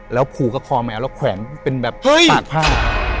แล้วผูกกับคอแมวแล้วแขวนเป็นแบบปากผ้า